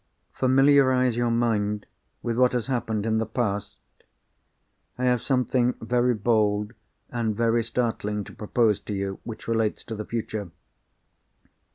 Familiarise your mind with what has happened in the past. I have something very bold and very startling to propose to you, which relates to the future."